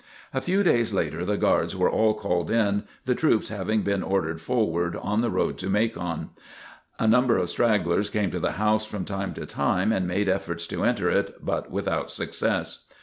A few days later the guards were all called in, the troops having been ordered forward on the road to Macon. A number of stragglers came to the house from time to time and made efforts to enter it, but without success.